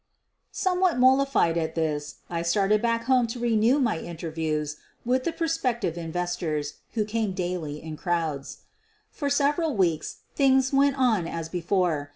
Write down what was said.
Somewhat mollified at this I started back home to renew my interviews with the prospective investors who came daily in crowds. For several weeks things went on as before.